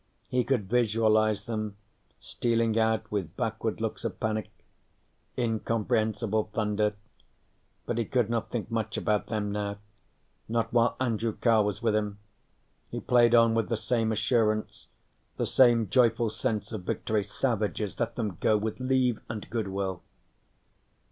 He could visualize them, stealing out with backward looks of panic. Incomprehensible thunder. But he could not think much about them now. Not while Andrew Carr was with him. He played on with the same assurance, the same joyful sense of victory. Savages let them go, with leave and good will.